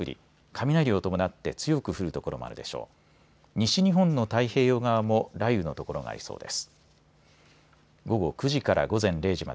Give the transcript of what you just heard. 西日本の太平洋側も雷雨の所がありそうです。